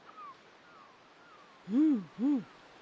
うんうん。